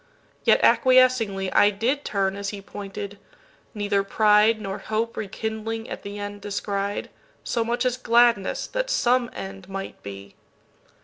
Yet acquiescinglyI did turn as he pointed: neither prideNor hope rekindling at the end descried, So much as gladness that some end might be.